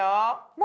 何？